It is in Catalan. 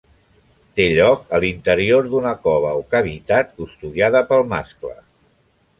Té lloc a l'interior d'una cova o cavitat custodiada pel mascle.